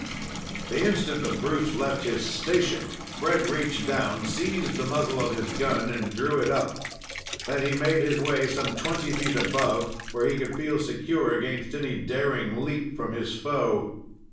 The instant the brute left his station, Fred reached down, seized the muzzle of his gun, and drew it up. Then he made his way some twenty feet above, where he could feel secure against any daring leap from his foe.